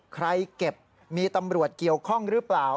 เก็บมีตำรวจเกี่ยวข้องหรือเปล่า